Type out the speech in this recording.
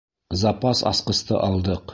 Запас асҡысты алдыҡ.